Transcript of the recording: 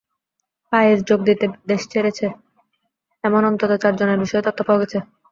আইএসে যোগ দিতে দেশ ছেড়েছে, এমন অন্তত চারজনের বিষয়ে তথ্য পাওয়া গেছে।